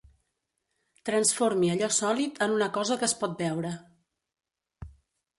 Transformi allò sòlid en una cosa que es pot beure.